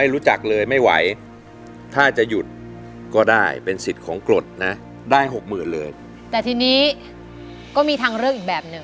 รู้จักมั้ยร้องได้มั้ย